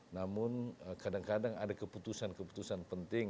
namun kadang kadang ada keputusan keputusan penting